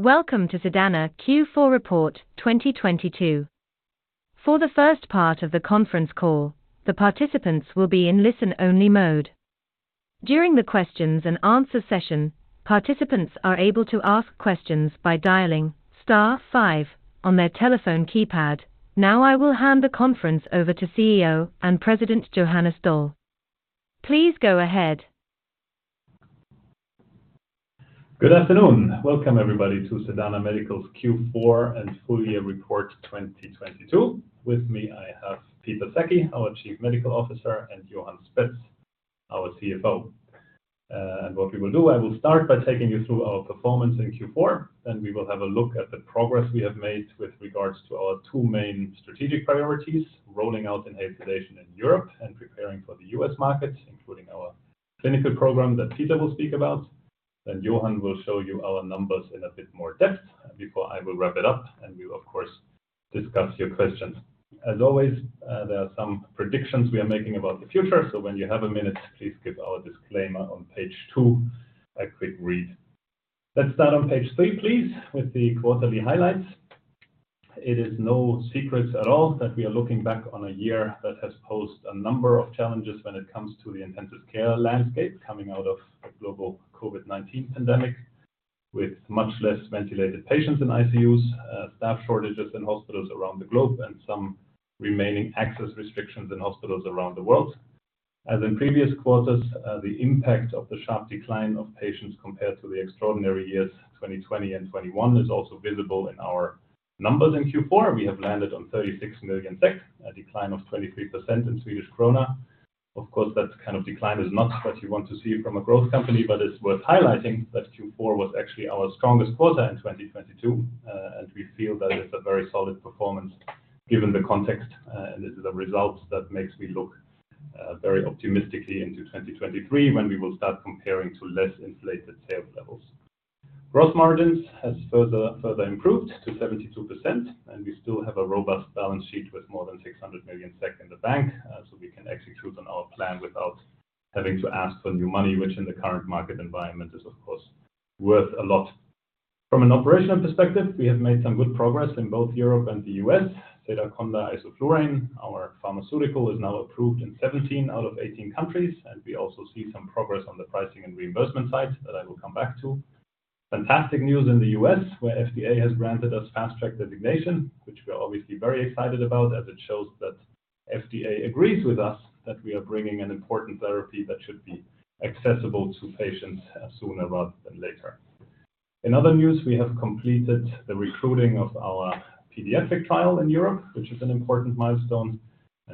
Welcome to Sedana Q4 report 2022. For the first part of the conference call, the participants will be in listen only mode. During the questions and answer session, participants are able to ask questions by dialing star five on their telephone keypad. I will hand the conference over to CEO and President Johannes Doll. Please go ahead. Good afternoon. Welcome everybody to Sedana Medical's Q4 and full year report 2022. With me, I have Peter Sackhäll Let's start on page three, please, with the quarterly highlights. It is no secret at all that we are looking back on a year that has posed a number of challenges when it comes to the intensive care landscape coming out of the global COVID-19 pandemic with much less ventilated patients in ICUs, staff shortages in hospitals around the globe, and some remaining access restrictions in hospitals around the world. As in previous quarters, the impact of the sharp decline of patients compared to the extraordinary years 2020 and 2021 is also visible in our numbers in Q4. We have landed on 36 million SEK, a decline of 23% in Swedish krona. Of course, that kind of decline is not what you want to see from a growth company, it's worth highlighting that Q4 was actually our strongest quarter in 2022, and we feel that it's a very solid performance given the context. This is a result that makes me look very optimistically into 2023, when we will start comparing to less inflated sales levels. Gross margins has further improved to 72%, we still have a robust balance sheet with more than 600 million SEK in the bank, so we can execute on our plan without having to ask for new money, which in the current market environment is of course worth a lot. From an operational perspective, we have made some good progress in both Europe and the US. Sedaconda isoflurane, our pharmaceutical, is now approved in 17 out of 18 countries. We also see some progress on the pricing and reimbursement side that I will come back to. Fantastic news in the U.S., where FDA has granted us Fast Track designation, which we are obviously very excited about as it shows that FDA agrees with us that we are bringing an important therapy that should be accessible to patients sooner rather than later. In other news, we have completed the recruiting of our pediatric trial in Europe, which is an important milestone.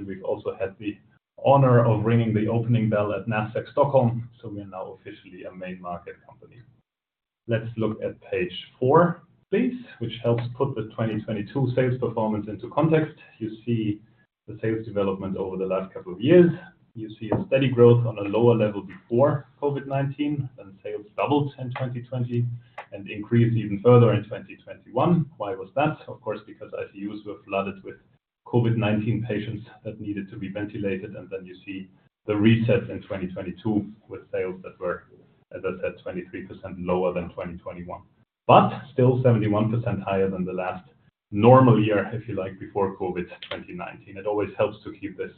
We've also had the honor of ringing the opening bell at Nasdaq Stockholm, we are now officially a main market company. Let's look at page four, please, which helps put the 2022 sales performance into context. You see the sales development over the last couple of years. You see a steady growth on a lower level before COVID-19, sales doubled in 2020 and increased even further in 2021. Why was that? Of course, because ICUs were flooded with COVID-19 patients that needed to be ventilated. You see the reset in 2022 with sales that were, as I said, 23% lower than 2021. Still 71% higher than the last normal year, if you like, before COVID, 2019. It always helps to keep this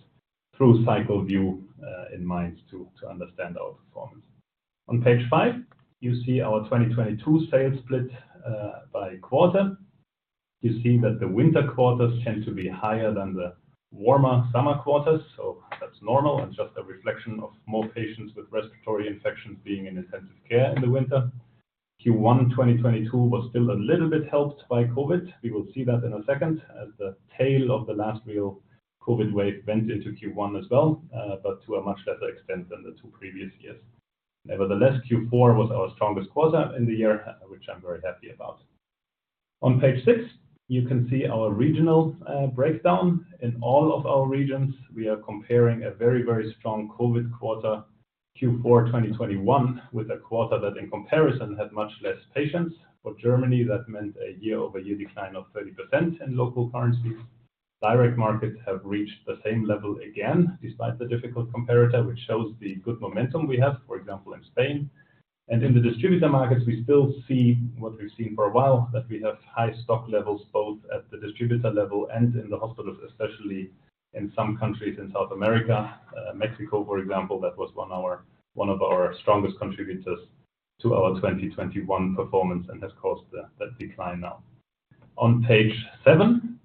through cycle view in mind to understand our performance. On page five, you see our 2022 sales split by quarter. You see that the winter quarters tend to be higher than the warmer summer quarters. That's normal and just a reflection of more patients with respiratory infections being in intensive care in the winter. Q1 2022 was still a little bit helped by COVID-19. We will see that in a second as the tail of the last real COVID-19 wave went into Q1 as well, but to a much lesser extent than the two previous years. Nevertheless, Q4 was our strongest quarter in the year, which I'm very happy about. On page six, you can see our regional breakdown. In all of our regions, we are comparing a very, very strong COVID-19 quarter, Q4 2021, with a quarter that in comparison had much less patients. For Germany, that meant a year-over-year decline of 30% in local currencies. Direct markets have reached the same level again despite the difficult comparator, which shows the good momentum we have, for example, in Spain. In the distributor markets, we still see what we've seen for a while, that we have high stock levels both at the distributor level and in the hospitals, especially in some countries in South America. Mexico, for example, that was one of our strongest contributors to our 2021 performance and has caused the, that decline now. On page seven,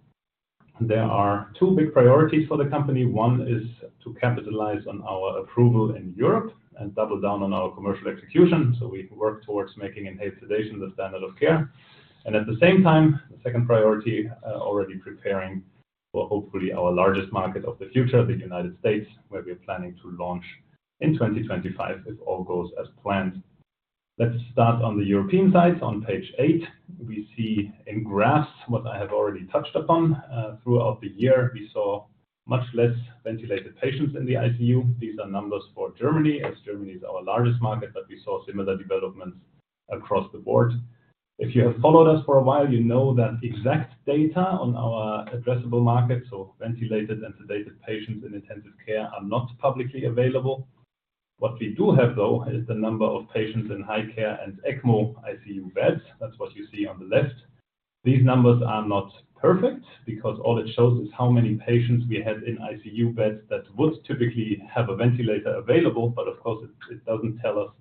there are two big priorities for the company. One is to capitalize on our approval in Europe and double down on our commercial execution, so we work towards making in inhalation the standard of care. At the same time, the second priority, already preparing for hopefully our largest market of the future, the United States, where we're planning to launch in 2025 if all goes as planned. Let's start on the European side. On page eight, we see in graphs what I have already touched upon. Throughout the year, we saw much less ventilated patients in the ICU. These are numbers for Germany, as Germany is our largest market, but we saw similar developments across the board. If you have followed us for a while, you know that exact data on our addressable market, so ventilated and sedated patients in intensive care, are not publicly available. We do have though is the number of patients in high care and ECMO ICU beds. That's what you see on the left. These numbers are not perfect because all it shows is how many patients we had in ICU beds that would typically have a ventilator available. Of course, it doesn't tell us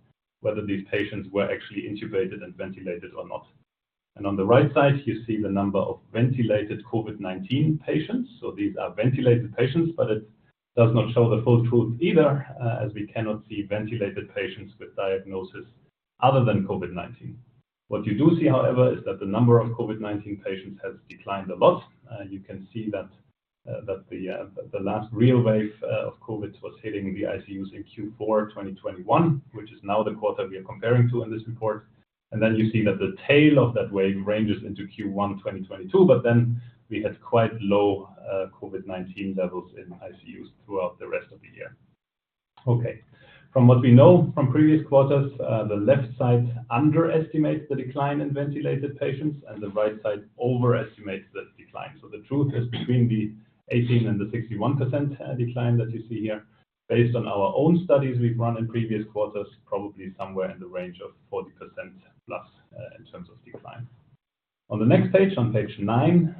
whether these patients were actually intubated and ventilated or not. On the right side, you see the number of ventilated COVID-19 patients. These are ventilated patients, but it does not show the full truth either, as we cannot see ventilated patients with diagnosis other than COVID-19. What you do see, however, is that the number of COVID-19 patients has declined a lot. You can see that the last real wave of COVID-19 was hitting the ICUs in Q4 of 2021, which is now the quarter we are comparing to in this report. You see that the tail of that wave ranges into Q1 2022, but then we had quite low COVID-19 levels in ICUs throughout the rest of the year. Okay. From what we know from previous quarters, the left side underestimates the decline in ventilated patients, and the right side overestimates the decline. The truth is between the 18 and the 61% decline that you see here. Based on our own studies we've run in previous quarters, probably somewhere in the range of 40%+ in terms of decline. On the next page, on page nine,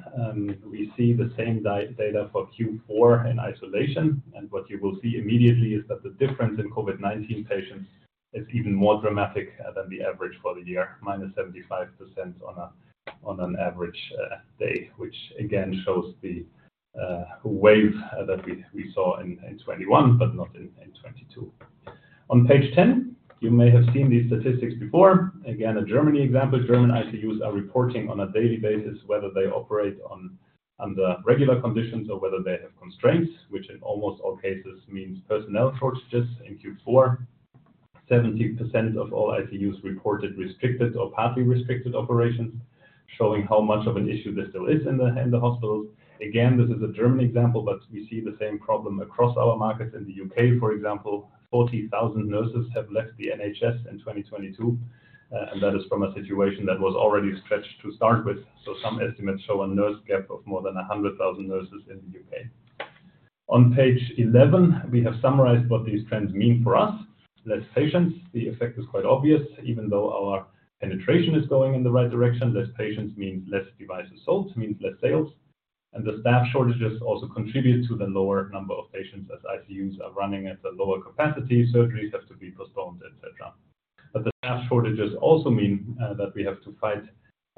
we see the same data for Q4 in isolation. What you will see immediately is that the difference in COVID-19 patients is even more dramatic than the average for the year, minus 75% on an average day, which again shows the wave that we saw in 2021 but not in 2022. On page ten, you may have seen these statistics before. Again, a Germany example. German ICUs are reporting on a daily basis whether they operate under regular conditions or whether they have constraints, which in almost all cases means personnel shortages. In Q4, 70% of all ICUs reported restricted or partly restricted operations, showing how much of an issue this still is in the hospitals. Again, this is a German example, but we see the same problem across our markets. In the UK, for example, 40,000 nurses have left the NHS in 2022, that is from a situation that was already stretched to start with. Some estimates show a nurse gap of more than 100,000 nurses in the UK. On page 11, we have summarized what these trends mean for us. Less patients, the effect is quite obvious. Even though our penetration is going in the right direction, less patients means less devices sold, means less sales. The staff shortages also contribute to the lower number of patients as ICUs are running at a lower capacity, surgeries have to be postponed, et cetera. The staff shortages also mean that we have to fight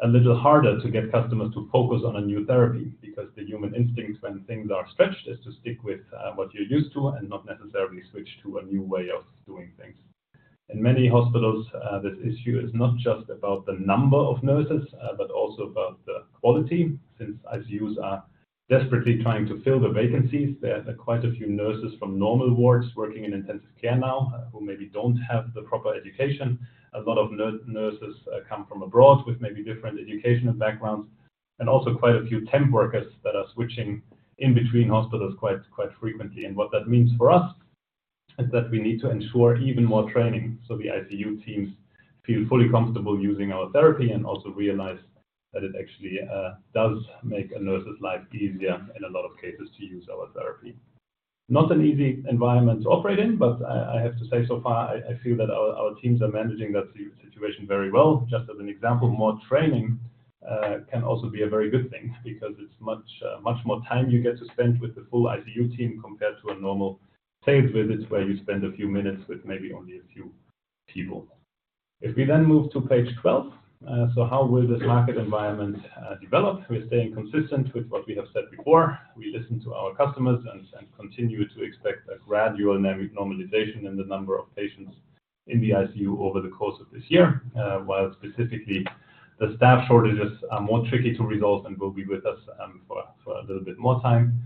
a little harder to get customers to focus on a new therapy, because the human instinct when things are stretched is to stick with what you're used to and not necessarily switch to a new way of doing things. In many hospitals, this issue is not just about the number of nurses, but also about the quality. Since ICUs are desperately trying to fill the vacancies, there are quite a few nurses from normal wards working in intensive care now, who maybe don't have the proper education. A lot of nurses come from abroad with maybe different educational backgrounds, and also quite a few temp workers that are switching in between hospitals quite frequently. What that means for us is that we need to ensure even more training so the ICU teams feel fully comfortable using our therapy and also realize that it actually does make a nurse's life easier in a lot of cases to use our therapy. Not an easy environment to operate in, but I have to say, so far I feel that our teams are managing that situation very well. Just as an example, more training can also be a very good thing because it's much, much more time you get to spend with the full ICU team compared to a normal sales visit where you spend a few minutes with maybe only a few people. How will this market environment develop? We're staying consistent with what we have said before. We listen to our customers and continue to expect a gradual normalization in the number of patients in the ICU over the course of this year. While specifically the staff shortages are more tricky to resolve and will be with us for a little bit more time.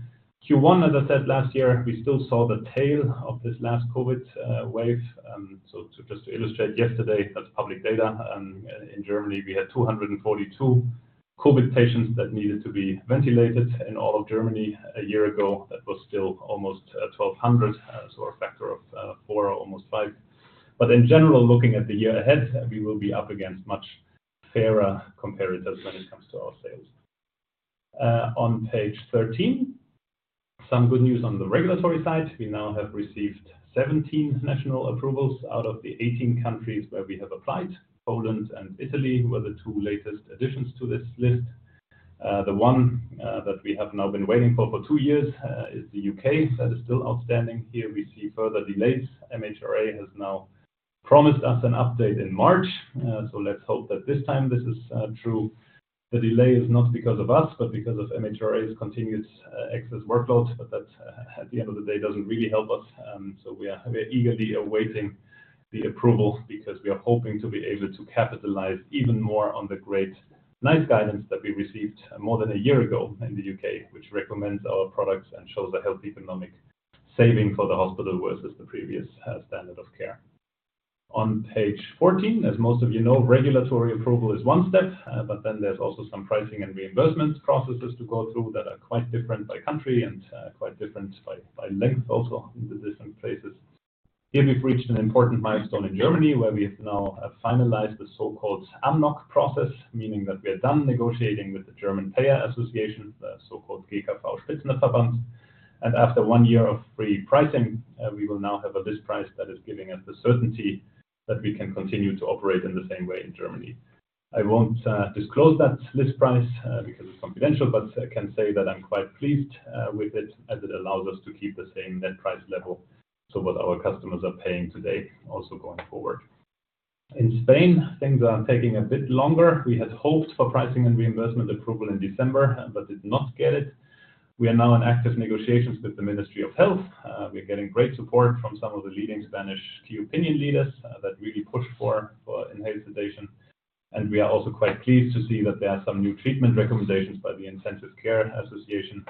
Q1, as I said, last year, we still saw the tail of this last COVID wave. Just to illustrate yesterday, that's public data, in Germany, we had 242 COVID patients that needed to be ventilated. In all of Germany a year ago, that was still almost 1,200, so a factor of four or almost five. In general, looking at the year ahead, we will be up against much fairer comparators when it comes to our sales. On page 13, some good news on the regulatory side. We now have received 17 national approvals out of the 18 countries where we have applied. Poland and Italy were the two latest additions to this list. The one that we have now been waiting for for two years is the U.K. That is still outstanding. Here we see further delays. MHRA has now promised us an update in March. Let's hope that this time this is true. The delay is not because of us, but because of MHRA's continued excess workloads, but that at the end of the day, doesn't really help us. We are eagerly awaiting the approval because we are hoping to be able to capitalize even more on the great NICE guidance that we received more than a year ago in the UK, which recommends our products and shows a health economic saving for the hospital versus the previous standard of care. On page 14, as most of you know, regulatory approval is one step, but then there's also some pricing and reimbursement processes to go through that are quite different by country and quite different by length also in the different places. Here we've reached an important milestone in Germany, where we have now have finalized the so-called AMNOG process, meaning that we are done negotiating with the German payer association, the so called GKV-Spitzenverband. After one year of free pricing, we will now have a list price that is giving us the certainty that we can continue to operate in the same way in Germany. I won't disclose that list price because it's confidential, but I can say that I'm quite pleased with it, as it allows us to keep the same net price level to what our customers are paying today also going forward. In Spain, things are taking a bit longer. We had hoped for pricing and reimbursement approval in December but did not get it. We are now in active negotiations with the Ministry of Health. We're getting great support from some of the leading Spanish key opinion leaders that really push for inhaled sedation. We are also quite pleased to see that there are some new treatment recommendations by the Intensive Care Association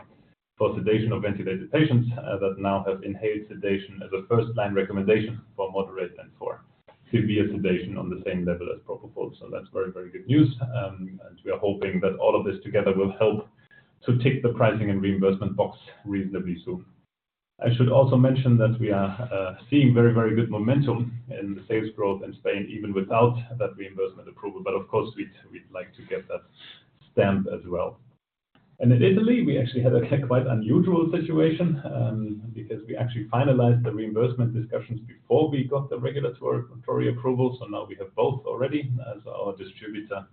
for sedation of ventilated patients that now have inhaled sedation as a first-line recommendation for moderate and for severe sedation on the same level as propofol. That's very good news. We are hoping that all of this together will help to tick the pricing and reimbursement box reasonably soon. I should also mention that we are seeing very good momentum in the sales growth in Spain, even without that reimbursement approval. Of course, we'd like to get that stamp as well. In Italy, we actually had a quite unusual situation because we actually finalized the reimbursement discussions before we got the regulatory approvals. Now we have both already as our distributor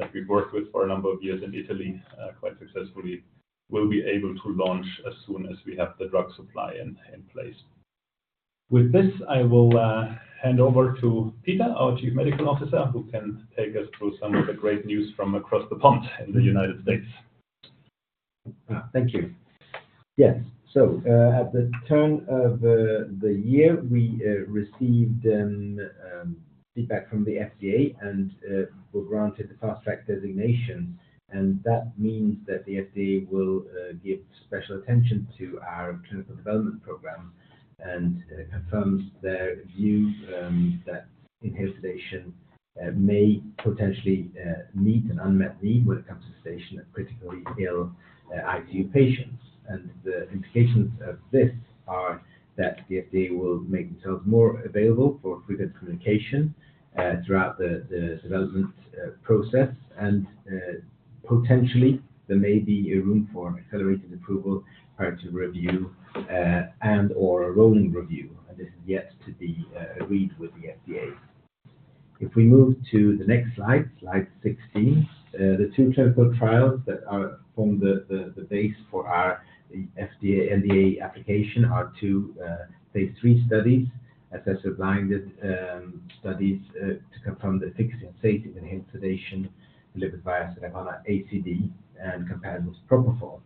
that we've worked with for a number of years in Italy, quite successfully, will be able to launch as soon as we have the drug supply in place. With this, I will hand over to Peter, our Chief Medical Officer, who can take us through some of the great news from across the pond in the United States. Thank you. Yes. At the turn of the year, we received feedback from the FDA and were granted the Fast Track designation. That means that the FDA will give special attention to our clinical development program and confirms their view that inhaled sedation may potentially meet an unmet need when it comes to sedation of critically ill ICU patients. The implications of this are that the FDA will make themselves more available for frequent communication throughout the development process. Potentially, there may be a room for accelerated approval prior to review and/or a rolling review, and this is yet to be agreed with the FDA. If we move to the next slide 16. The two clinical trials that are... form the base for our FDA NDA application are two phase three studies, assessor-blinded studies, to confirm the efficacy and safety of inhaled sedation delivered via Sedaconda ACD and compared with propofol.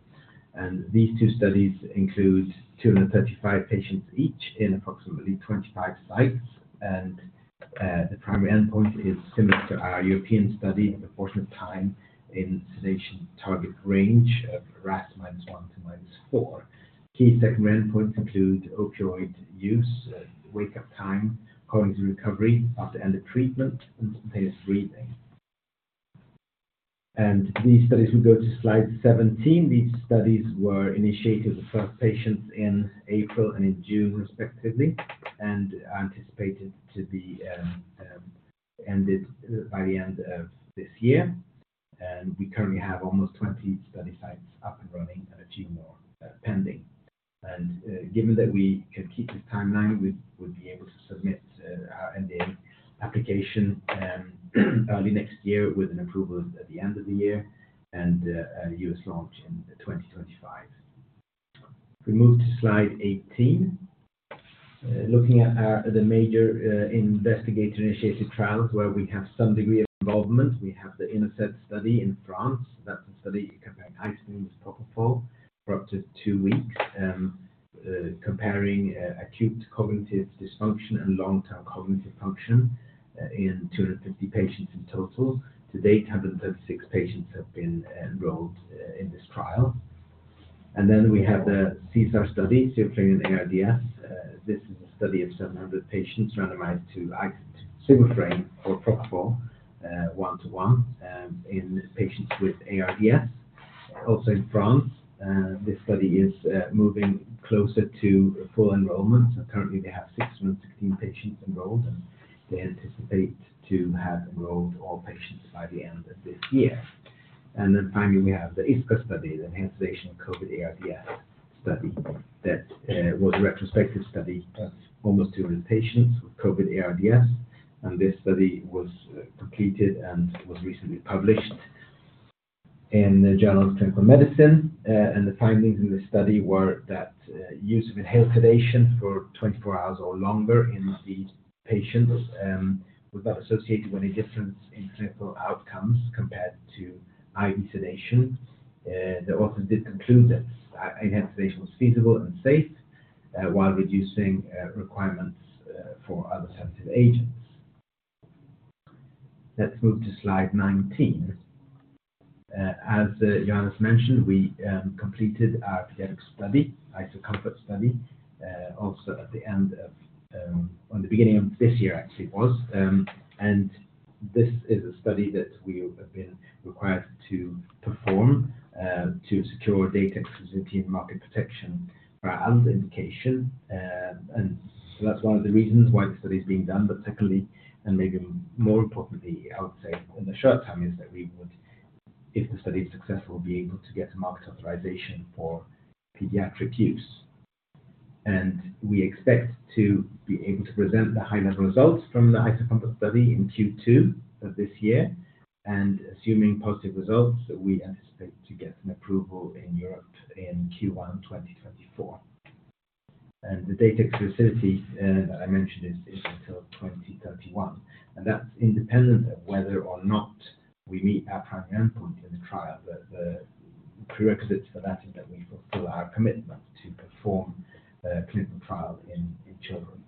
These two studies include 235 patients each in approximately 25 sites. The primary endpoint is similar to our European study and the portion of time in sedation target range of RASS minus one to minus four. Key secondary endpoints include opioid use, wake up time, cognitive recovery at the end of treatment, and spontaneous breathing. These studies, we go to slide 17. These studies were initiated with first patients in April and in June respectively, and anticipated to be ended by the end of this year. We currently have almost 20 study sites up and running and a few more pending. Given that we can keep this timeline, we would be able to submit our NDA application early next year with an approval at the end of the year and a US launch in 2025. If we move to slide 18. Looking at the major investigator-initiated trials where we have some degree of involvement. We have the INNOSED study in France. That's a study comparing isoflurane with propofol for up to two weeks, comparing acute cognitive dysfunction and long-term cognitive function in 250 patients in total. To date, 136 patients have been enrolled in this trial. We have the CESAR study, sufentanil in ARDS. This is a study of 700 patients randomized to sufentanil or propofol, one to one, in patients with ARDS, also in France. This study is moving closer to full enrollment. Currently, they have 616 patients enrolled. They anticipate to have enrolled all patients by the end of this year. Finally, we have the ISCA study, the inhaled sedation COVID ARDS study. That was a retrospective study of almost 200 patients with COVID ARDS. This study was completed and was recently published in the Journal of Clinical Medicine. The findings in this study were that use of inhaled sedation for 24 hours or longer in these patients was not associated with any difference in clinical outcomes compared to IV sedation. The authors did conclude that inhaled sedation was feasible and safe, while reducing requirements for other sensitive agents. Let's move to slide 19. As Johannes mentioned, we completed our pediatric study, IsoConfort study, also at the end of or the beginning of this year, actually, it was. This is a study that we have been required to perform to secure data exclusivity and market protection for our orphan indication. That's one of the reasons why the study is being done. Secondly, and maybe more importantly, I would say in the short term, is that if the study is successful, we'll be able to get a market authorization for pediatric use. We expect to be able to present the high-level results from the IsoConfort study in Q2 of this year. Assuming positive results, we anticipate to get an approval in Europe in Q1 2024. The data exclusivity that I mentioned is until 2031. That's independent of whether or not we meet our primary endpoint in the trial. The prerequisite for that is that we fulfill our commitment to perform the clinical trial in children.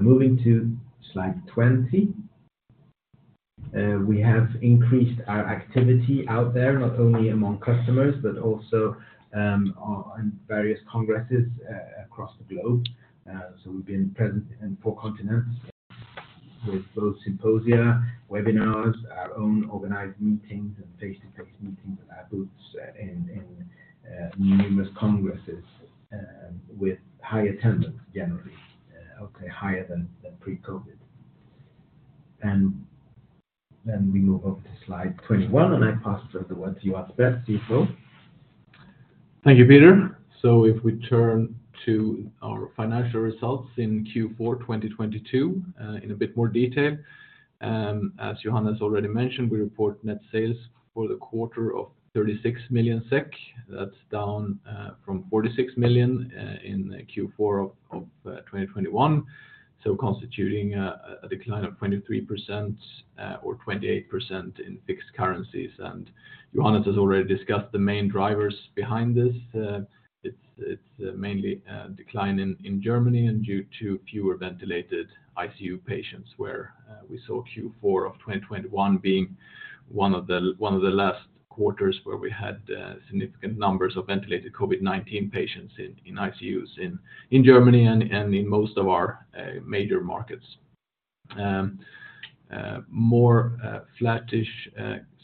Moving to slide 20. We have increased our activity out there, not only among customers, but also on various congresses across the globe. We've been present in four continents with both symposia, webinars, our own organized meetings and face to face meetings with our booths in numerous congresses with high attendance generally. Okay, higher than pre-COVID. We move over to slide 21, and I pass the floor over to you, Johan Spetz, CFO. Thank you, Peter. If we turn to our financial results in Q4 2022 in a bit more detail. As Johannes already mentioned, we report net sales for the quarter of 36 million SEK. That's down from 46 million in Q4 of 2021. Constituting a decline of 23%, or 28% in fixed currencies. Johannes has already discussed the main drivers behind this. It's mainly decline in Germany and due to fewer ventilated ICU patients where we saw Q4 of 2021 being one of the last quarters where we had significant numbers of ventilated COVID-19 patients in ICUs in Germany and in most of our major markets. More flattish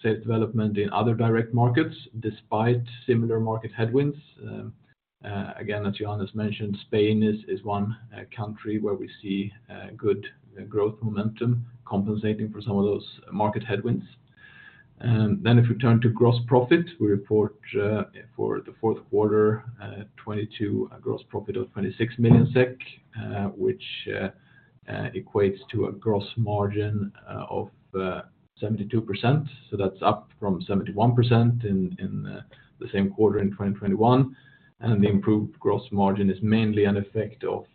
sales development in other direct markets despite similar market headwinds. Again, as Johannes mentioned, Spain is one country where we see good growth momentum compensating for some of those market headwinds. If we turn to gross profit, we report for the fourth quarter 2022, a gross profit of 26 million SEK, which equates to a gross margin of 72%. That's up from 71% in the same quarter in 2021. The improved gross margin is mainly an effect of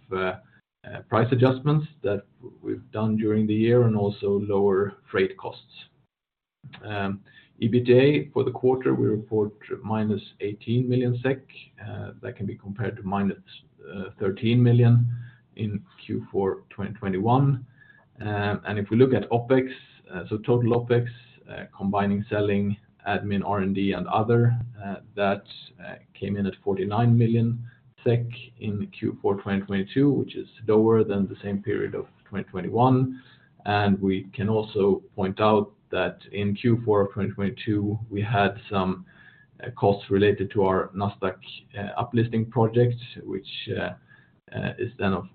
price adjustments that we've done during the year and also lower freight costs. EBITDA for the quarter, we report minus 18 million SEK. That can be compared to minus 13 million in Q4 2021. If we look at OpEx, so total OpEx, combining selling, admin, R&D, and other, that came in at 49 million SEK in Q4 2022, which is lower than the same period of 2021. We can also point out that in Q4 of 2022, we had some costs related to our Nasdaq uplisting project, which is then of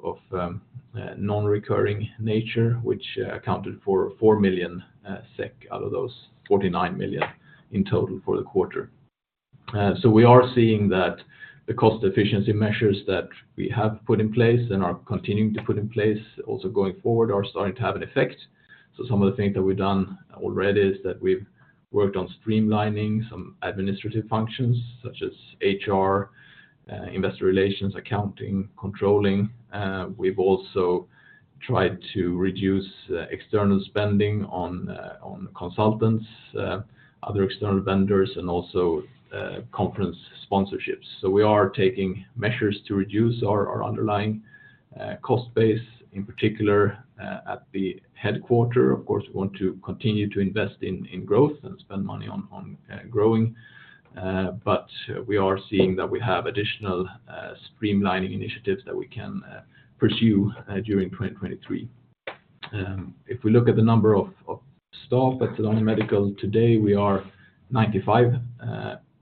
non-recurring nature, which accounted for 4 million SEK out of those 49 million in total for the quarter. We are seeing that the cost efficiency measures that we have put in place and are continuing to put in place also going forward are starting to have an effect. Some of the things that we've done already is that we've worked on streamlining some administrative functions such as HR, investor relations, accounting, controlling. We've also tried to reduce external spending on consultants, other external vendors, and also conference sponsorships. We are taking measures to reduce our underlying cost base, in particular, at the headquarter. Of course, we want to continue to invest in growth and spend money on growing. We are seeing that we have additional streamlining initiatives that we can pursue during 2023. If we look at the number of staff at Sedana Medical today, we are 95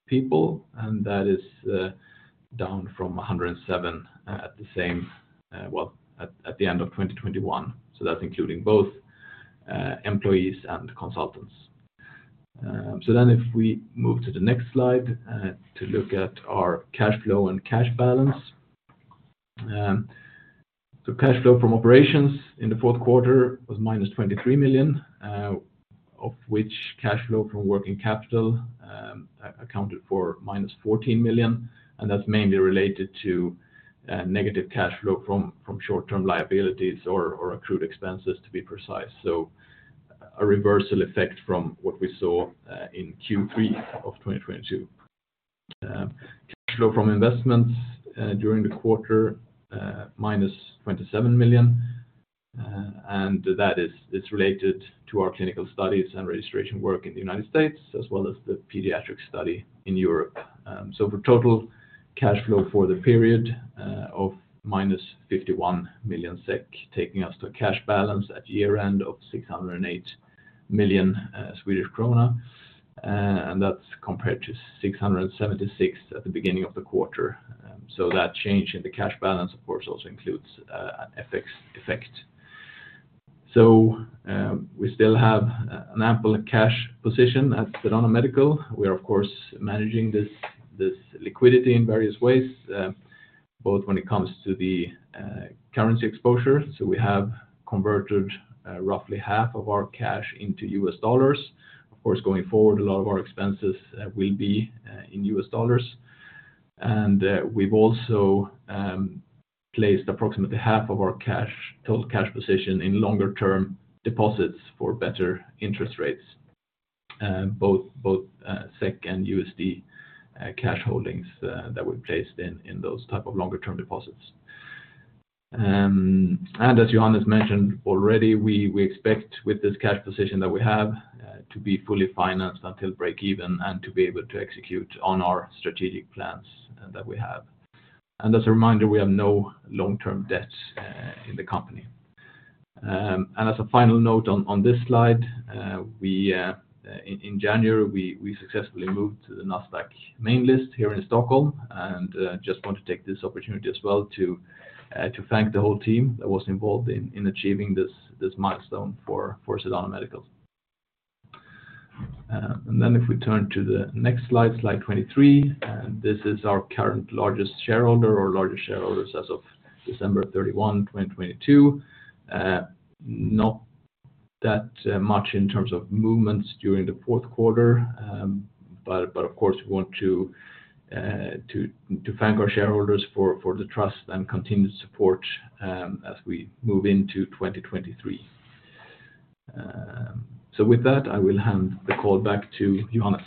people, and that is down from 107 at the end of 2021. That's including both employees and consultants. If we move to the next slide, to look at our cash flow and cash balance. Cash flow from operations in the fourth quarter was minus 23 million, of which cash flow from working capital accounted for minus 14 million, and that's mainly related to negative cash flow from short-term liabilities or accrued expenses, to be precise. A reversal effect from what we saw in Q3 of 2022. Cash flow from investments during the quarter, minus 27 million, it's related to our clinical studies and registration work in the United States as well as the pediatric study in Europe. For total cash flow for the period of -51 million SEK, taking us to a cash balance at year-end of 608 million Swedish krona. That's compared to 676 at the beginning of the quarter. That change in the cash balance, of course, also includes an FX effect. We still have an ample cash position at Sedana Medical. We are, of course, managing this liquidity in various ways, both when it comes to the currency exposure. We have converted roughly half of our cash into US dollars. Of course, going forward, a lot of our expenses will be in US dollars. We've also placed approximately half of our cash, total cash position in longer term deposits for better interest rates, both SEK and USD cash holdings that we've placed in those type of longer term deposits. As Johannes mentioned already, we expect with this cash position that we have to be fully financed until breakeven and to be able to execute on our strategic plans that we have. As a reminder, we have no long term debts in the company. As a final note on this slide, in January, we successfully moved to the Nasdaq main list here in Stockholm. Just want to take this opportunity as well to thank the whole team that was involved in achieving this milestone for Sedana Medical. If we turn to the next slide 23, and this is our current largest shareholder or largest shareholders as of December 31, 2022. Not that much in terms of movements during the fourth quarter. But of course, we want to thank our shareholders for the trust and continued support as we move into 2023. So with that, I will hand the call back to Johannes.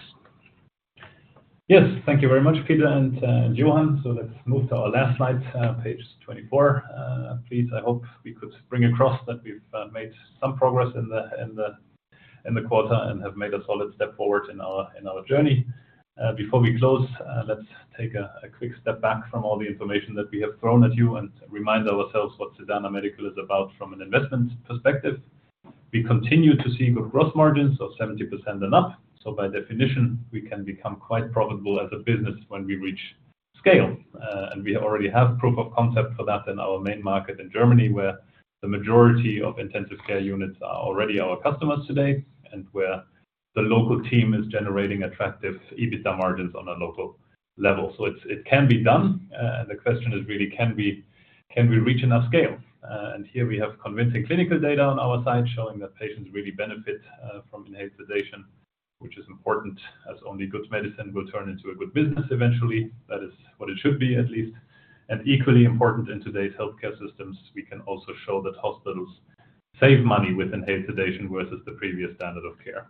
Yes. Thank you very much, Peter and Johan. Let's move to our last slide, page 24. Please, I hope we could bring across that we've made some progress in the quarter and have made a solid step forward in our journey. Before we close, let's take a quick step back from all the information that we have thrown at you and remind ourselves what Sedana Medical is about from an investment perspective. We continue to see good growth margins of 70% and up. By definition, we can become quite profitable as a business when we reach scale. We already have proof of concept for that in our main market in Germany, where the majority of intensive care units are already our customers today, and where the local team is generating attractive EBITDA margins on a local level. It can be done. The question is really can we reach enough scale? Here we have convincing clinical data on our side showing that patients really benefit from enhanced sedation, which is important as only good medicine will turn into a good business eventually. That is what it should be, at least. Equally important in today's healthcare systems, we can also show that hospitals save money with enhanced sedation versus the previous standard of care.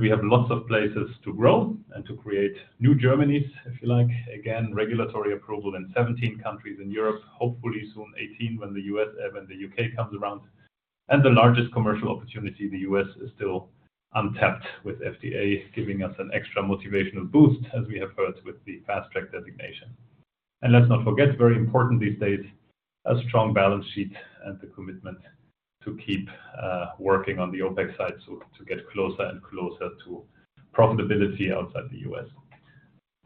We have lots of places to grow and to create new Germanies, if you like. Again, regulatory approval in 17 countries in Europe, hopefully soon 18 when the U.S., when the U.K. comes around. The largest commercial opportunity in the U.S. is still untapped with FDA giving us an extra motivational boost, as we have heard with the Fast Track designation. Let's not forget, very important these days, a strong balance sheet and the commitment to keep working on the OpEx side so to get closer and closer to profitability outside the U.S.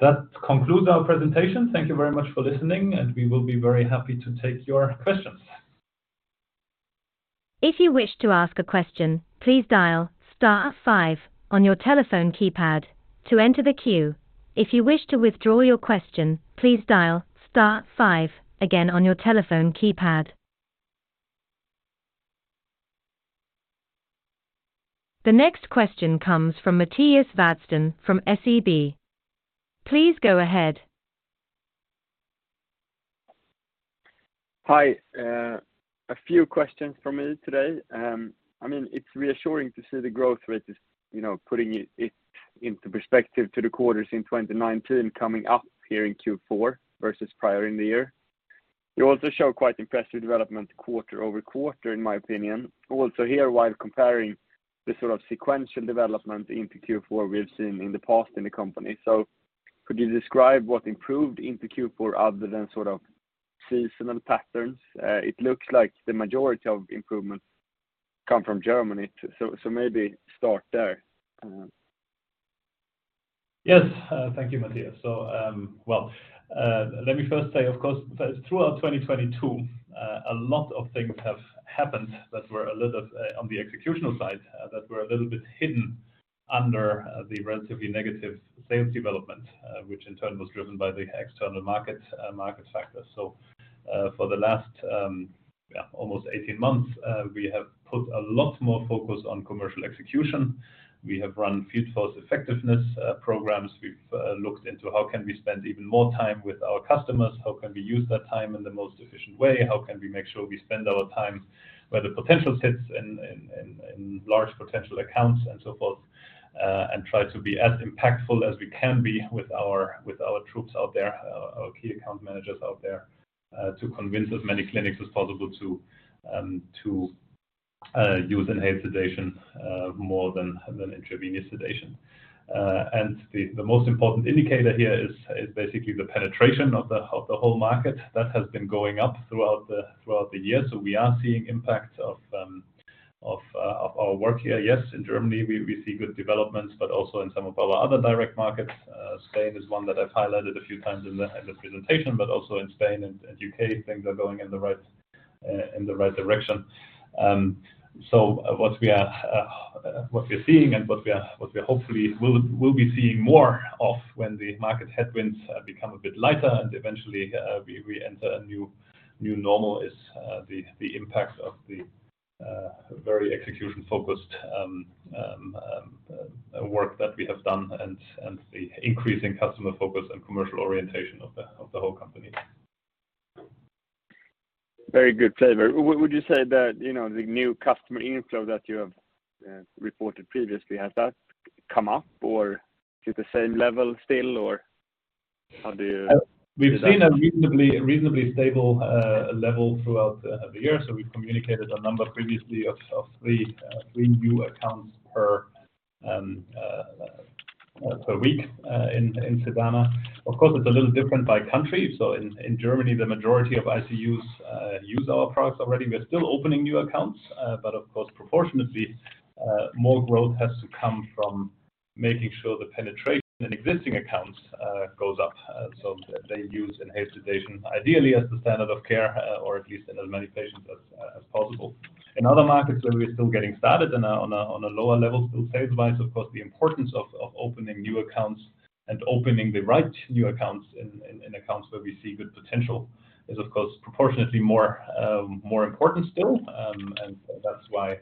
That concludes our presentation. Thank you very much for listening, and we will be very happy to take your questions. If you wish to ask a question, please dial star five on your telephone keypad to enter the queue. If you wish to withdraw your question, please dial star five again on your telephone keypad. The next question comes from Mattias Vadsten from SEB. Please go ahead. Hi. A few questions from me today. I mean, it's reassuring to see the growth rate is, you know, putting it into perspective to the quarters in 2019 coming up here in Q4 versus prior in the year. You also show quite impressive development quarter-over-quarter, in my opinion. Also here, while comparing the sort of sequential development into Q4 we have seen in the past in the company. Could you describe what improved into Q4 other than sort of seasonal patterns? It looks like the majority of improvements come from Germany, so maybe start there. Yes. Thank you, Matthias. Well, let me first say, of course, that throughout 2022, a lot of things have happened that were a little on the executional side, that were a little bit hidden under the relatively negative sales development, which in turn was driven by the external market factors. For the last, yeah, almost 18 months, we have put a lot more focus on commercial execution. We have run field force effectiveness, programs. We've looked into how can we spend even more time with our customers, how can we use that time in the most efficient way, how can we make sure we spend our time where the potential sits in large potential accounts and so forth, and try to be as impactful as we can be with our, with our troops out there, our key account managers out there, to convince as many clinics as possible to use enhanced sedation more than intravenous sedation. The most important indicator here is basically the penetration of the whole market. That has been going up throughout the year. We are seeing impact of our work here. Yes, in Germany we see good developments, but also in some of our other direct markets. Spain is one that I've highlighted a few times in the presentation, but also in Spain and UK things are going in the right direction. What we're seeing and what we hopefully will be seeing more of when the market headwinds become a bit lighter and eventually we enter a new normal is the impact of the very execution-focused work that we have done and the increasing customer focus and commercial orientation of the whole company. Very good flavor. Would you say that, you know, the new customer inflow that you have reported previously, has that come up or to the same level still, or how do you- We've seen a reasonably stable level throughout the year. We've communicated a number previously of three new accounts per week in Sedaconda. It's a little different by country. In Germany, the majority of ICUs use our products already. We are still opening new accounts. Of course, proportionately, more growth has to come from making sure the penetration in existing accounts goes up. They use inhaled sedation, ideally as the standard of care, or at least in as many patients as possible. In other markets where we are still getting started on a lower level, still sales wise, of course, the importance of opening new accounts and opening the right new accounts in accounts where we see good potential is of course proportionately more important still. That's why,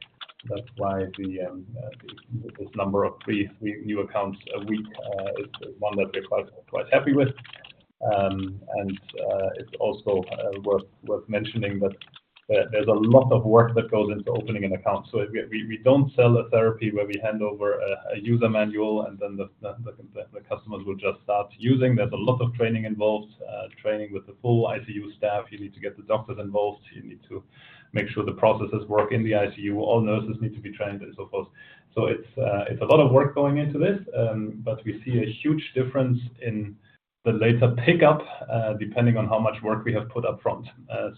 that's why the, this number of 3 new accounts a week is one that we're quite happy with. It's also worth mentioning that there's a lot of work that goes into opening an account. We don't sell a therapy where we hand over a user manual, and then the customers will just start using. There's a lot of training involved, training with the full ICU staff. You need to get the doctors involved. You need to make sure the processes work in the ICU. All nurses need to be trained and so forth. It's a lot of work going into this. We see a huge difference in the later pickup, depending on how much work we have put up front.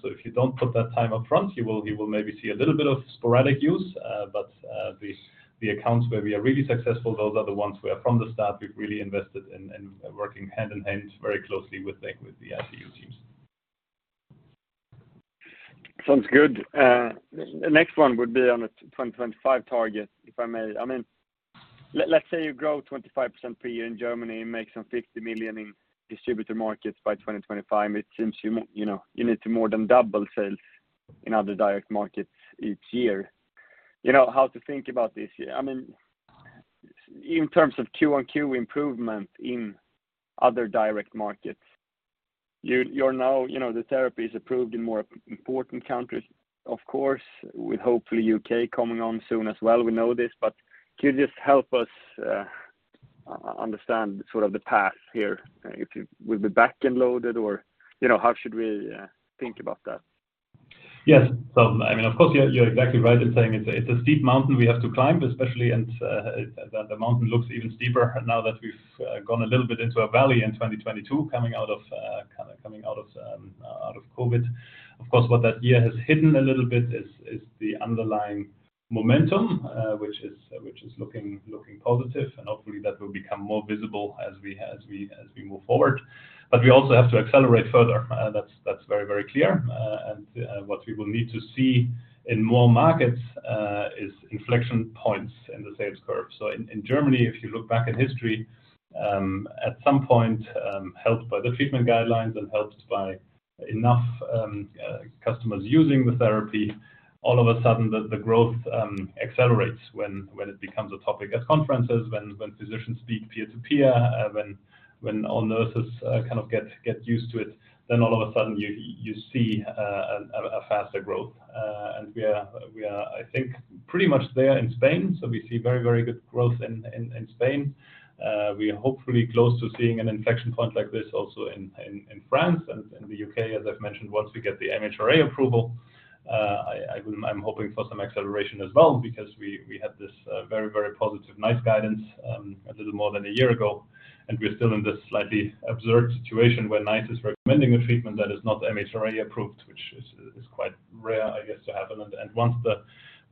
If you don't put that time up front, you will maybe see a little bit of sporadic use. The accounts where we are really successful, those are the ones where from the start we've really invested in working hand in hand very closely with the ICU teams. Sounds good. The next one would be on a 2025 target, if I may. I mean, let's say you grow 25% per year in Germany and make some 50 million in distributor markets by 2025. It seems you know, you need to more than double sales in other direct markets each year. You know, how to think about this year, I mean, in terms of Q on Q improvement in other direct markets, you are now, you know, the therapy is approved in more important countries, of course, with hopefully UK coming on soon as well. We know this, but could you just help us understand sort of the path here if you will be back-end loaded or, you know, how should we think about that? Yes. I mean, of course, you're exactly right in saying it's a steep mountain we have to climb, especially, and the mountain looks even steeper now that we've gone a little bit into a valley in 2022 coming out of COVID-19. Of course, what that year has hidden a little bit is the underlying momentum, which is looking positive. Hopefully that will become more visible as we move forward. We also have to accelerate further. That's very clear. What we will need to see in more markets is inflection points in the sales curve. In Germany, if you look back in history, at some point, helped by the treatment guidelines and helped by enough customers using the therapy, all of a sudden the growth accelerates when it becomes a topic at conferences, when physicians speak peer to peer, when all nurses kind of get used to it, then all of a sudden you see a faster growth. We are, I think, pretty much there in Spain. We see very good growth in Spain. We are hopefully close to seeing an inflection point like this also in France and in the UK, as I've mentioned, once we get the MHRA approval, I'm hoping for some acceleration as well because we had this very, very positive NICE guidance a little more than a year ago, and we are still in this slightly absurd situation where NICE is recommending a treatment that is not MHRA approved, which is quite rare, I guess, to happen.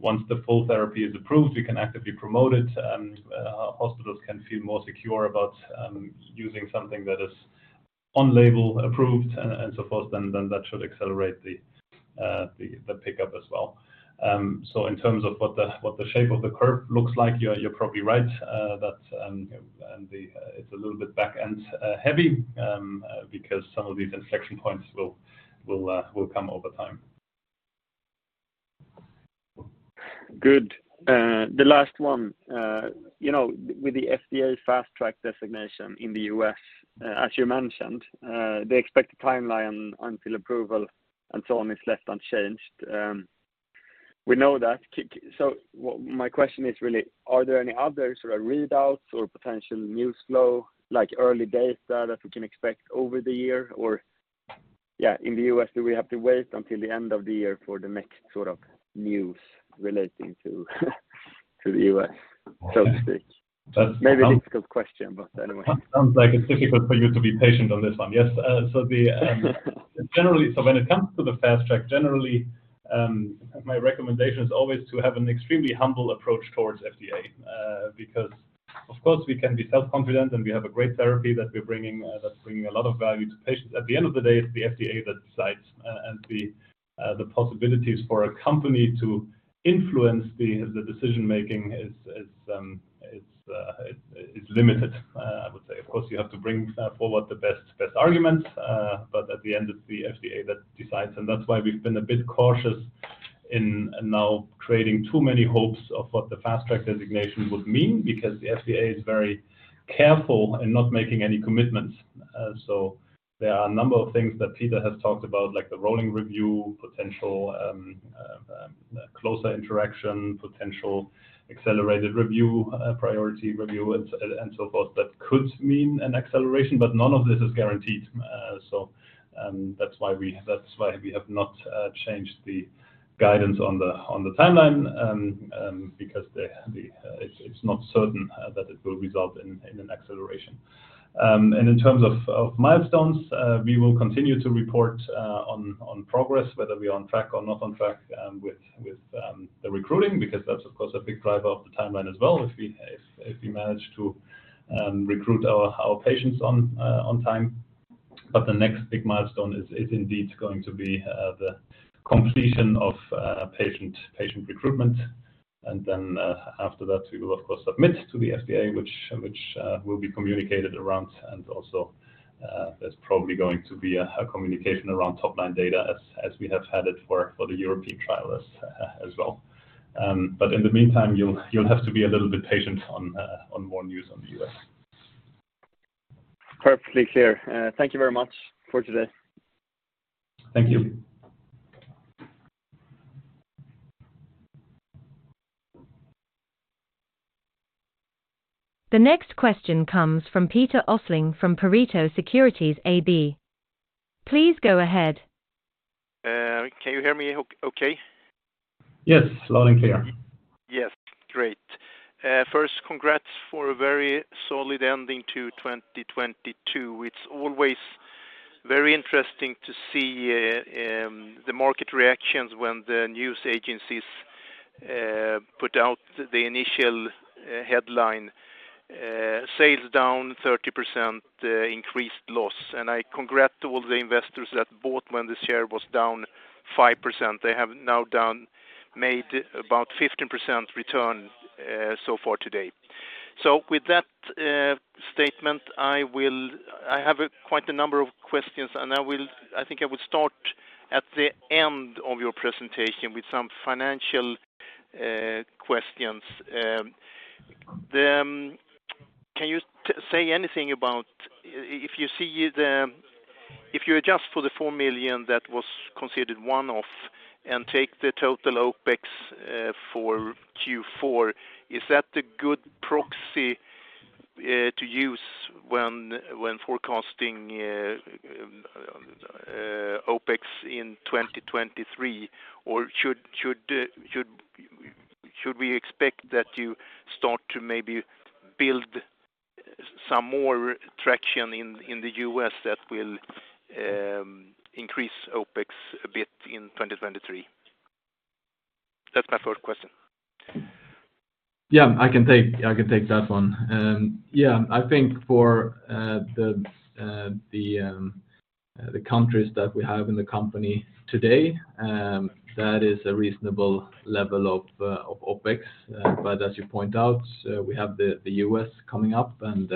Once the full therapy is approved, we can actively promote it and hospitals can feel more secure about using something that is on label approved and so forth. Then that should accelerate the pickup as well. In terms of what the shape of the curve looks like, you're probably right, that, and the, it's a little bit back-end heavy, because some of these inflection points will come over time. Good. The last one, you know, with the FDA Fast Track designation in the U.S., as you mentioned, the expected timeline until approval and so on is left unchanged. We know that. My question is really, are there any other sort of readouts or potential news flow, like early data that we can expect over the year? Yeah, in the U.S., do we have to wait until the end of the year for the next sort of news relating to the U.S.? Okay. So to speak. That's- Maybe a difficult question, but anyway. Sounds like it's difficult for you to be patient on this one. Yes, so when it comes to the Fast Track, generally, my recommendation is always to have an extremely humble approach towards FDA. Because, of course, we can be self-confident, and we have a great therapy that we're bringing, that's bringing a lot of value to patients. At the end of the day, it's the FDA that decides. And the possibilities for a company to influence the decision-making is limited, I would say. Of course, you have to bring forward the best arguments. At the end, it's the FDA that decides. That's why we've been a bit cautious in now creating too many hopes of what the Fast Track designation would mean because the FDA is very careful in not making any commitments. There are a number of things that Peter has talked about, like the rolling review, potential closer interaction, potential accelerated review, priority review, and so forth that could mean an acceleration, but none of this is guaranteed. That's why we have not changed the guidance on the timeline because it's not certain that it will result in an acceleration. In terms of milestones, we will continue to report on progress, whether we're on track or not on track, with the recruiting, because that's, of course, a big driver of the timeline as well, if we manage to recruit our patients on time. The next big milestone is indeed going to be the completion of patient recruitment. After that, we will of course submit to the FDA, which will be communicated around. Also, there's probably going to be a communication around top-line data as we have had it for the European trial as well. But in the meantime, you'll have to be a little bit patient on more news on the U.S. Perfectly clear. Thank you very much for today. Thank you. The next question comes from Peter Östling from Pareto Securities AB. Please go ahead. Can you hear me okay? Yes, loud and clear. Yes. Great. First, congrats for a very solid ending to 2022. It's always very interesting to see the market reactions when the news agencies put out the initial headline, "Sales down 30%, increased loss." I congrat to all the investors that bought when the share was down 5%. They have now made about 15% return so far today. With that statement, I have a quite a number of questions, and I think I will start at the end of your presentation with some financial questions. Can you say anything about if you see the... If you adjust for the 4 million that was considered one off and take the total OpEx for Q4, is that a good proxy to use when forecasting OpEx in 2023? Should we expect that you start to maybe build some more traction in the U.S. that will increase OpEx a bit in 2023? That's my first question. I can take that one. I think for the countries that we have in the company today, that is a reasonable level of OpEx. As you point out, we have the U.S. coming up, and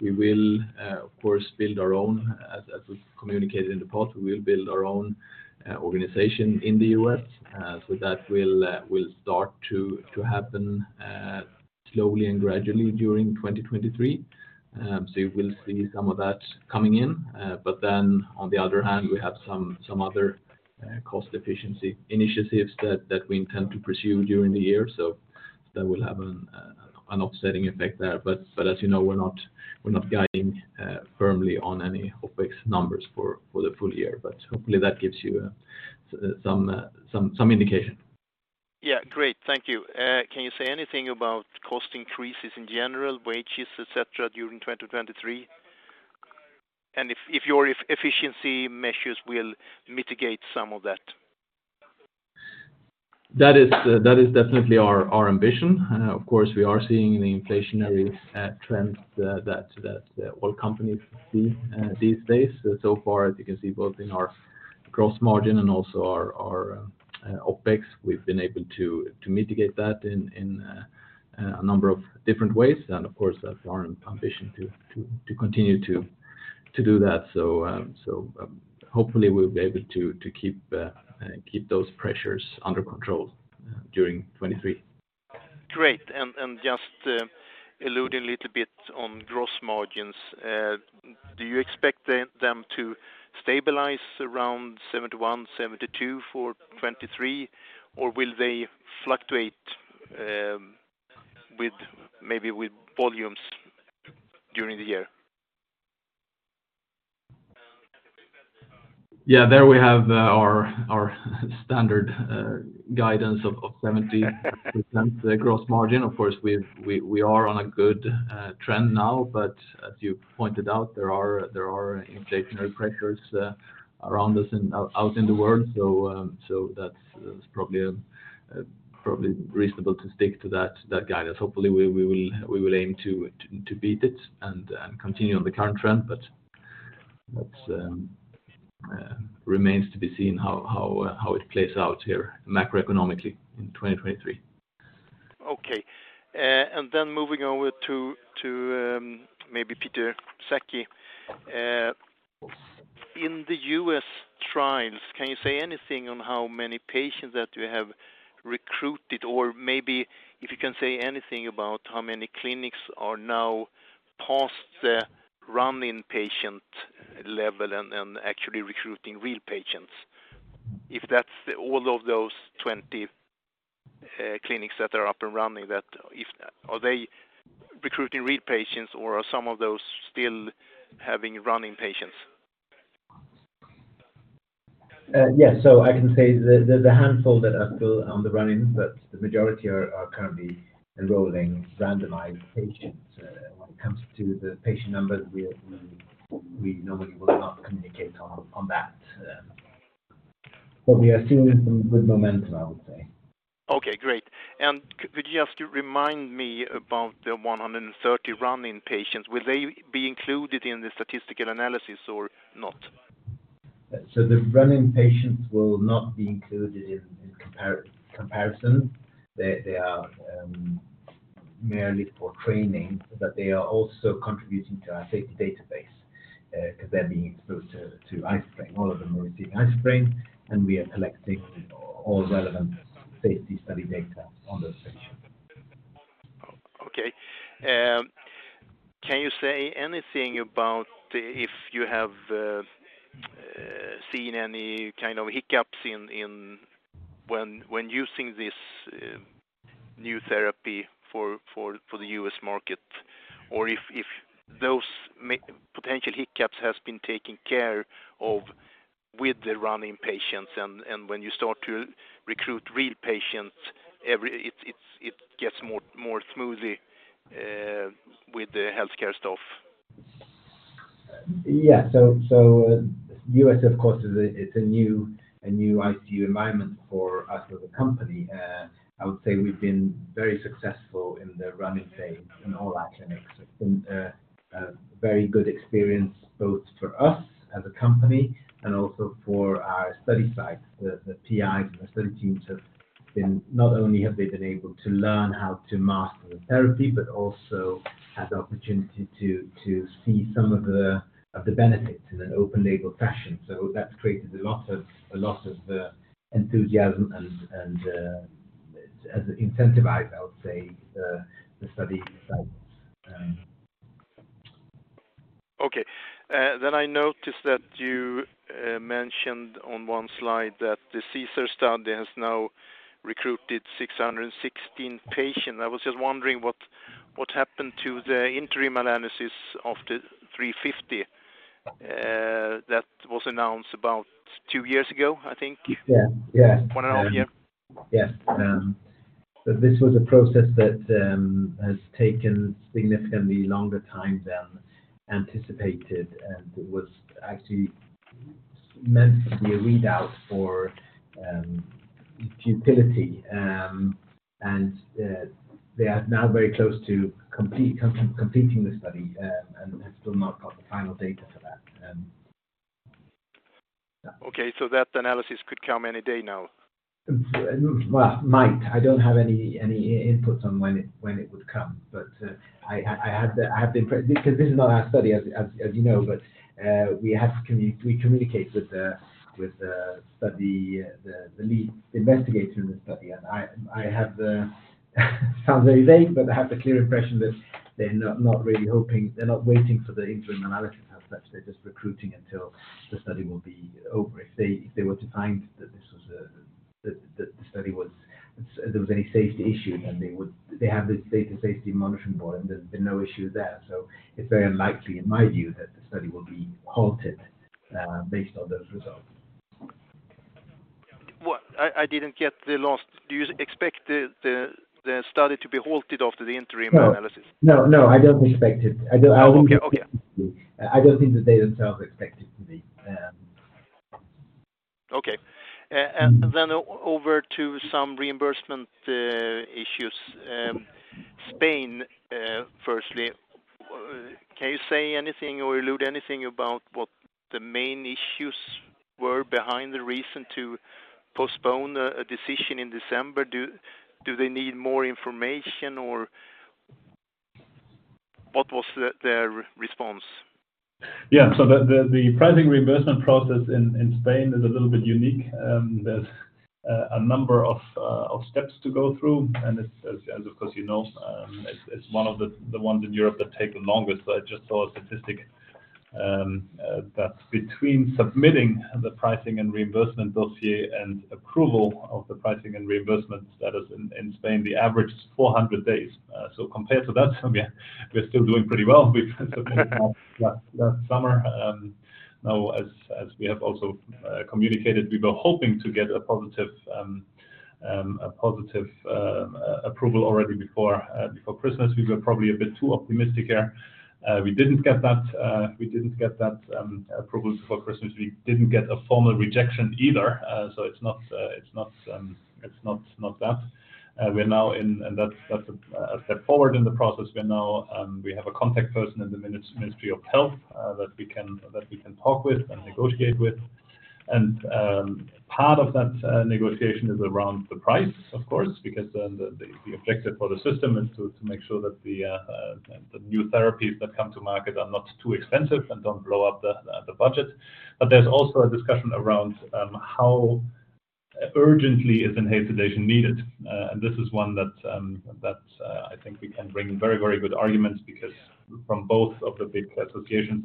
we will, of course, build our own, as we've communicated in the past. We will build our own organization in the U.S. That will start to happen slowly and gradually during 2023. You will see some of that coming in. On the other hand, we have some other cost efficiency initiatives that we intend to pursue during the year. That will have an offsetting effect there. As you know, we're not guiding firmly on any OpEx numbers for the full year. Hopefully, that gives you some indication. Yeah, great. Thank you. Can you say anything about cost increases in general, wages, et cetera, during 2023? If your efficiency measures will mitigate some of that. That is definitely our ambition. Of course, we are seeing the inflationary trends that all companies see these days. So far, as you can see, both in our gross margin and also our OpEx, we've been able to mitigate that in a number of different ways. Of course, foreign ambition to continue to do that. Hopefully we'll be able to keep those pressures under control during 2023. Great. Just, alluding a little bit on gross margins, do you expect them to stabilize around 71%, 72% for 2023? Will they fluctuate, with maybe with volumes during the year? Yeah, there we have our standard guidance of 70% gross margin. Of course, we are on a good trend now, but as you pointed out, there are inflationary pressures around us and out in the world. That's probably reasonable to stick to that guidance. Hopefully, we will aim to beat it and continue on the current trend. That remains to be seen how it plays out here macroeconomically in 2023. Okay. Moving over to, maybe Peter Sackhäll. In the U.S. trials, can you say anything on how many patients that you have recruited? Maybe if you can say anything about how many clinics are now past the run-in patient level and actually recruiting real patients. If that's all of those 20 clinics that are up and running, Are they recruiting real patients or are some of those still having run-in patients? Yeah. I can say there's a handful that are still on the run-in, but the majority are currently enrolling randomized patients. When it comes to the patient numbers, we normally will not communicate on that. But we are seeing some good momentum, I would say. Okay, great. Would you have to remind me about the 130 run-in patients, will they be included in the statistical analysis or not? The run-in patients will not be included in comparison. They are merely for training, but they are also contributing to our safety database 'cause they're being exposed to isoflurane. All of them are receiving isoflurane, and we are collecting all relevant safety study data on those patients. Okay. Can you say anything about if you have seen any kind of hiccups when using this new therapy for the U.S. market? Or if those potential hiccups has been taken care of with the run-in patients and when you start to recruit real patients, every... It gets more smoothly with the healthcare stuff. U.S., of course, is a new ICU environment for us as a company. I would say we've been very successful in the run-in phase in all our clinics. It's been a very good experience both for us as a company and also for our study sites. The PIs and the study teams have been not only able to learn how to master the therapy but also had the opportunity to see some of the benefits in an open label fashion. That's created a lot of enthusiasm and incentivized, I would say, the study sites. Okay. I noticed that you mentioned on one slide that the CESAR study has now recruited 616 patients. I was just wondering what happened to the interim analysis of the 350 that was announced about two years ago, I think. Yeah. Yeah. One and a half year. Yes. This was a process that has taken significantly longer time than anticipated, and it was actually meant to be a readout for futility. They are now very close to completing the study and have still not got the final data for that. Okay. That analysis could come any day now. I don't have any input on when it would come. I have the impression because this is not our study as you know. We communicate with the study, the lead investigator in the study. I have, sounds very vague, but I have the clear impression that they're not really hoping. They're not waiting for the interim analysis as such. They're just recruiting until the study will be over. If they were to find that this was, there was any safety issue, they would. They have this data safety monitoring board, there's been no issue there. It's very unlikely in my view that the study will be halted based on those results. What? I didn't get the last. Do you expect the study to be halted after the interim analysis? No. No. No, I don't expect it. Okay. Okay. I wouldn't expect it to be. I don't think the data itself expects it to be. Okay. Over to some reimbursement issues. Spain, firstly. Can you say anything or allude anything about what the main issues were behind the reason to postpone a decision in December? Do they need more information or what was their response? Yeah. The pricing reimbursement process in Spain is a little bit unique. There's a number of steps to go through, and it's as of course, you know, it's one of the ones in Europe that take the longest. I just saw a statistic that between submitting the pricing and reimbursement dossier and approval of the pricing and reimbursement status in Spain, the average is 400 days. Compared to that, we're still doing pretty well because of the past last summer. Now, as we have also communicated, we were hoping to get a positive approval already before Christmas. We were probably a bit too optimistic there. We didn't get that approval before Christmas. We didn't get a formal rejection either. It's not that. That's a step forward in the process. We're now, we have a contact person in the Ministry of Health that we can talk with and negotiate with. Part of that negotiation is around the price, of course, because then the objective for the system is to make sure that the new therapies that come to market are not too expensive and don't blow up the budget. There's also a discussion around how urgently is inhalation needed. This is one that I think we can bring very, very good arguments because from both of the big associations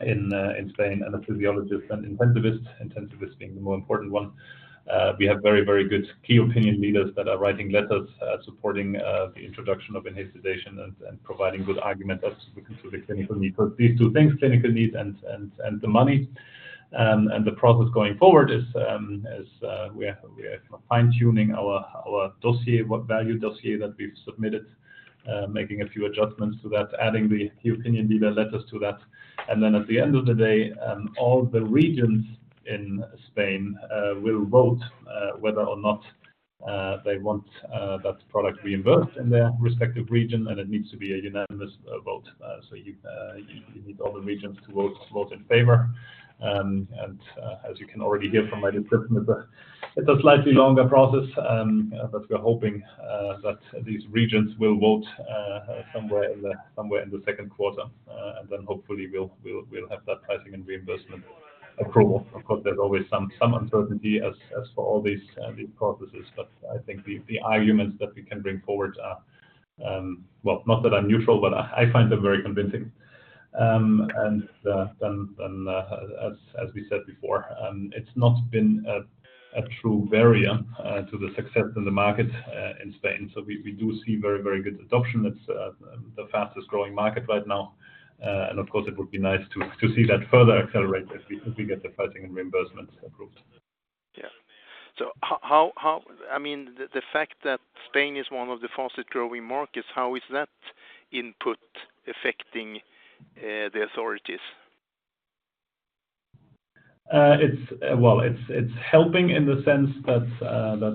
in Spain and the physiologists and intensivists being the more important one. We have very, very good key opinion leaders that are writing letters supporting the introduction of inhalation and providing good argument as to the clinical need for these two things, clinical need and the money. The process going forward is, we are fine-tuning our dossier, what value dossier that we've submitted, making a few adjustments to that, adding the opinion leader letters to that. At the end of the day, all the regions in Spain will vote whether or not they want that product reimbursed in their respective region, and it needs to be a unanimous vote. So you need all the regions to vote in favor. As you can already hear from my description, it's a slightly longer process, but we're hoping that these regions will vote somewhere in the second quarter. Hopefully we'll have that pricing and reimbursement approval. Of course, there's always some uncertainty as for all these processes, but I think the arguments that we can bring forward are. Well, not that I'm neutral, but I find them very convincing. As we said before, it's not been a true barrier to the success in the market in Spain. We do see very, very good adoption. It's the fastest-growing market right now. Of course, it would be nice to see that further accelerate as we get the pricing and reimbursements approved. Yeah. I mean, the fact that Spain is one of the fastest-growing markets, how is that input affecting the authorities? It's, well, it's helping in the sense that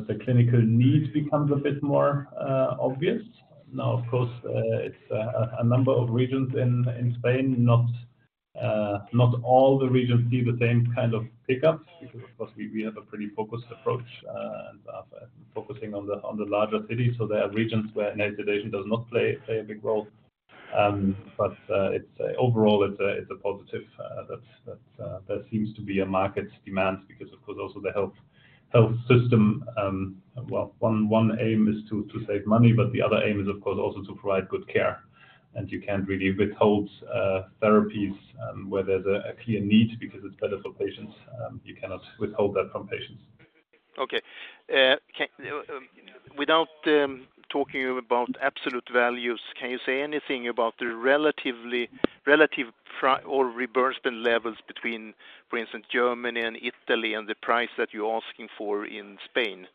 the clinical needs becomes a bit more obvious. Now, of course, it's a number of regions in Spain, not all the regions see the same kind of pickups because, of course, we have a pretty focused approach and focusing on the larger cities. There are regions where inhalation does not play a big role. But overall it's a positive that there seems to be a market demand because of course also the health system, well, one aim is to save money, but the other aim is of course also to provide good care. You can't really withhold therapies where there's a clear need because it's better for patients. You cannot withhold that from patients. Without talking about absolute values, can you say anything about the relative or reimbursement levels between, for instance, Germany and Italy and the price that you're asking for in Spain?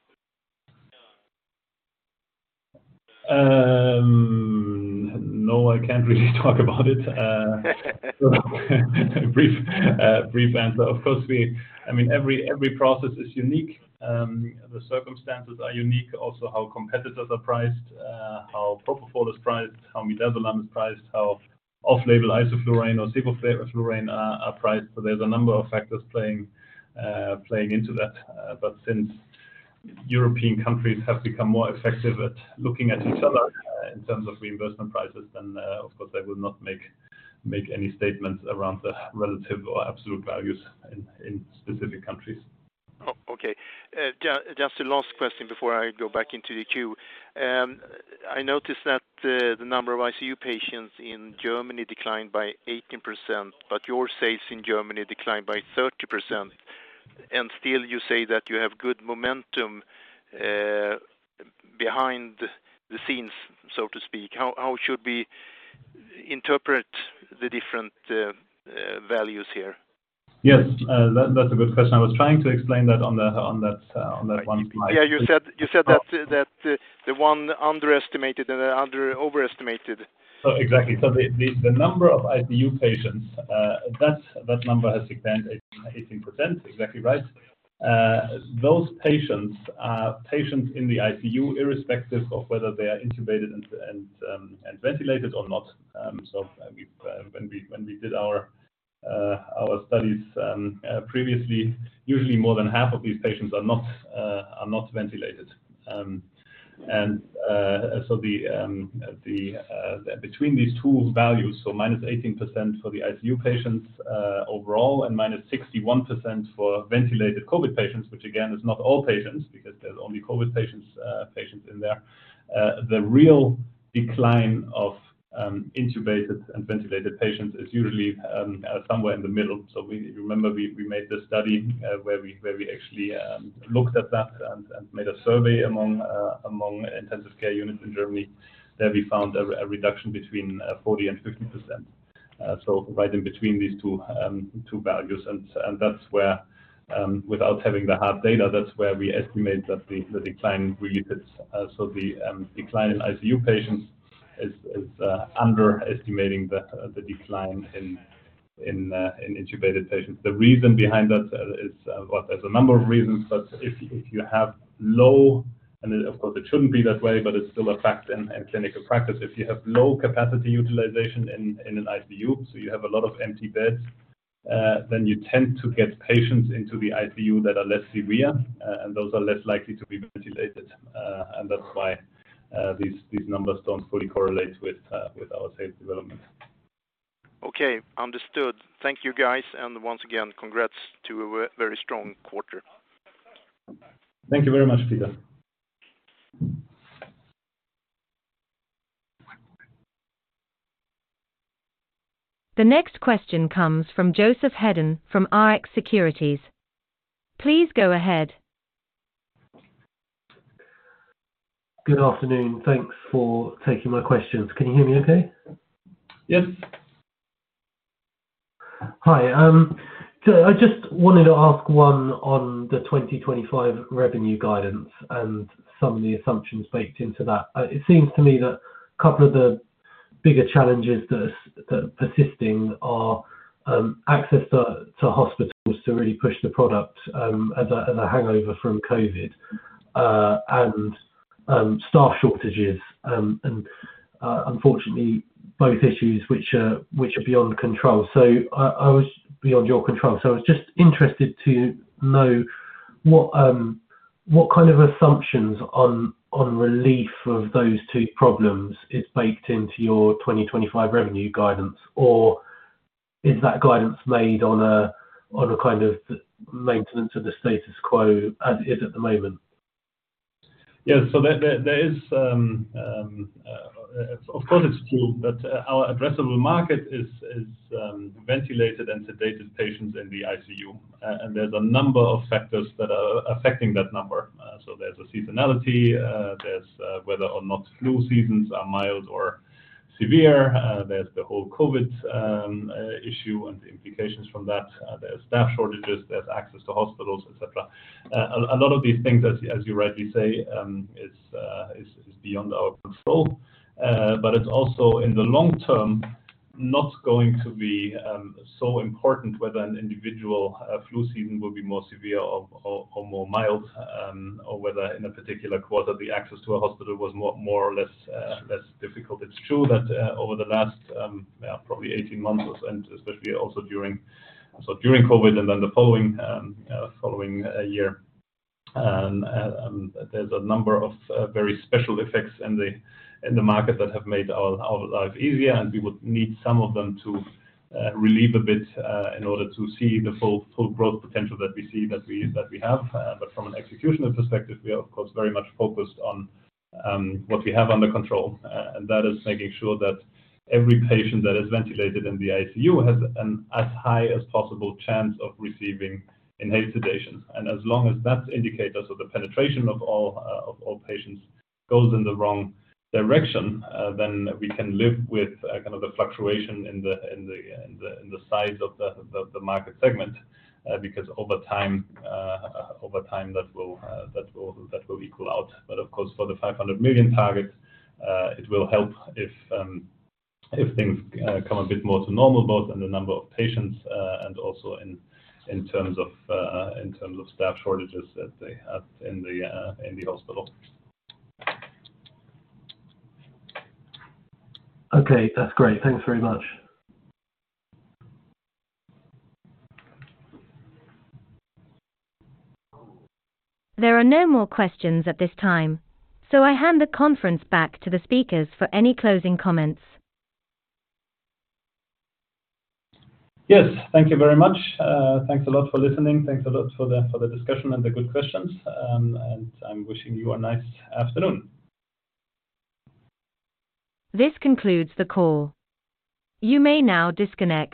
No, I can't really talk about it. Brief answer. Of course, I mean, every process is unique. The circumstances are unique also, how competitors are priced, how propofol is priced, how midazolam is priced, how off-label isoflurane or sevoflurane are priced. There's a number of factors playing into that. Since European countries have become more effective at looking at each other, in terms of reimbursement prices, of course, I will not make any statements around the relative or absolute values in specific countries. Okay, just a last question before I go back into the queue. I noticed that the number of ICU patients in Germany declined by 18%, but your sales in Germany declined by 30%, and still you say that you have good momentum behind the scenes, so to speak. How should we interpret the different values here? Yes. that's a good question. I was trying to explain that on that one slide. Yeah. You said that. Oh that the one underestimated and the overestimated. Exactly. The number of ICU patients, that number has declined 18%. Exactly right. Those patients are patients in the ICU, irrespective of whether they are intubated and ventilated or not. When we did our studies previously, usually more than half of these patients are not ventilated. Between these two values, -18% for the ICU patients overall, and -61% for ventilated COVID patients, which again, is not all patients because there's only COVID patients in there. The real decline of intubated and ventilated patients is usually somewhere in the middle. You remember we made the study, where we actually looked at that and made a survey among intensive care units in Germany, there we found a re-reduction between 40% and 50%. Right in between these two values. That's where, without having the hard data, that's where we estimate that the decline really hits. The decline in ICU patients is underestimating the decline in intubated patients. The reason behind that is, well, there's a number of reasons, but if you have low-- and of course, it shouldn't be that way, but it's still a fact in clinical practice. If you have low capacity utilization in an ICU, so you have a lot of empty beds, then you tend to get patients into the ICU that are less severe, and those are less likely to be ventilated. That's why these numbers don't fully correlate with our sales development. Okay. Understood. Thank you, guys. Once again, Congrats to a very strong quarter. Thank you very much, Peter. The next question comes from Joseph Hales from Rx Securities. Please go ahead. Good afternoon. Thanks for taking my questions. Can you hear me okay? Yes. Hi. I just wanted to ask one on the 2025 revenue guidance and some of the assumptions baked into that. It seems to me that a couple of the bigger challenges that's, that are persisting are access to hospitals to really push the product, as a hangover from COVID, and staff shortages. Unfortunately both issues which are beyond control. Beyond your control. I was just interested to know what kind of assumptions on relief of those two problems is baked into your 2025 revenue guidance, or is that guidance made on a kind of maintenance of the status quo as is at the moment? Yeah. There is, of course it's true that our addressable market is ventilated and sedated patients in the ICU. There's a number of factors that are affecting that number. There's a seasonality, there's whether or not flu seasons are mild or severe. There's the whole COVID issue and the implications from that. There's staff shortages, there's access to hospitals, et cetera. A lot of these things as you rightly say, is beyond our control. It's also in the long term, not going to be so important whether an individual flu season will be more severe or more mild, or whether in a particular quarter the access to a hospital was more or less, less difficult. It's true that over the last, yeah, probably 18 months or so, and especially also during COVID and then the following year, there's a number of very special effects in the market that have made our life easier, and we would need some of them to relieve a bit in order to see the full growth potential that we see that we have. From an executional perspective, we are of course very much focused on what we have under control. That is making sure that every patient that is ventilated in the ICU has an as high as possible chance of receiving inhaled sedation. As long as that indicator, so the penetration of all patients goes in the wrong direction, then we can live with kind of the fluctuation in the size of the market segment. Because over time, that will equal out. Of course, for the 500 million target, it will help if things come a bit more to normal, both in the number of patients, and also in terms of staff shortages that they have in the hospital. Okay. That's great. Thanks very much. There are no more questions at this time. I hand the conference back to the speakers for any closing comments. Yes. Thank you very much. Thanks a lot for listening. Thanks a lot for the discussion and the good questions. I'm wishing you a nice afternoon. This concludes the call. You may now disconnect.